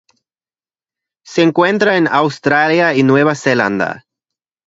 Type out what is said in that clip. Se encuentra en Australia y Nueva Zelanda